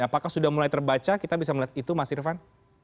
apakah sudah mulai terbaca kita bisa melihat itu mas irvan